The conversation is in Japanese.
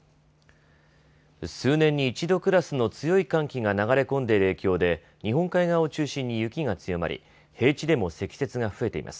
数年に一度クラスの強い寒気が流れ込んでいる影響で日本海側を中心に雪が強まり平地でも積雪が増えています。